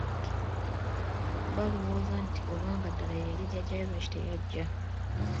Baalowooza nti obanga ddala ye yali jjajjawe lwaki teyajja.